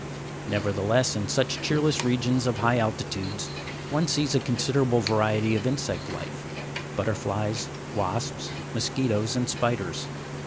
Nevertheless, in such cheerless regions of high altitudes, one sees a considerable variety of insect life—butterflies, wasps, mosquitoes, and spiders.